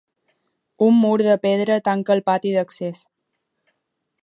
Un mur de pedra tanca el pati d'accés.